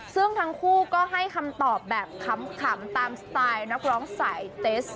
ซึ่งทั้งคู่ก็ให้คำตอบแบบขำตามสไตล์นักร้องสายเตส